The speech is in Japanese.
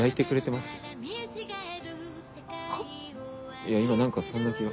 いや今何かそんな気が。